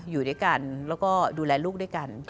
อยู่ด้วยกันแล้วก็ดูแลลูกด้วยกัน